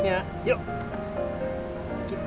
iniase irving dan bona